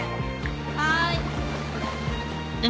はい。